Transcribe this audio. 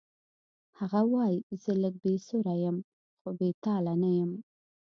هغه وایی زه لږ بې سره یم خو بې تاله نه یم